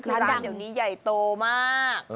ดังเดี๋ยวนี้ใหญ่โตมาก